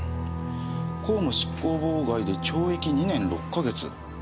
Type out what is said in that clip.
公務執行妨害で懲役２年６か月？